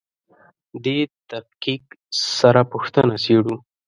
دې تفکیک سره پوښتنه څېړو.